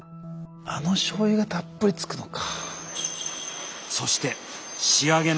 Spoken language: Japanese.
あの醤油がたっぷりつくのか。